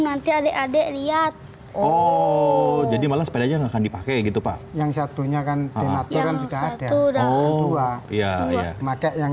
nanti adek adek lihat oh jadi malah sepedanya akan dipakai gitu pak yang satunya kan yang